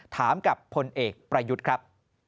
ถามกับพลเอกประยุทธ์ครับ